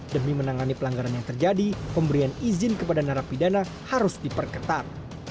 demi menangani pelanggaran yang terjadi pemberian izin kepada narapidana harus diperketat